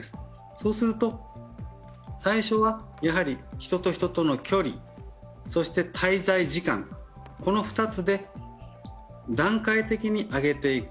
そうすると、最初は人と人との距離、そして滞在時間の２つで段階的に上げていく。